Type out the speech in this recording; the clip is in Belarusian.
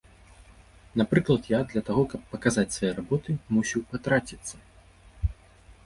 Напрыклад, я, для таго, каб паказаць свае работы, мусіў патраціцца.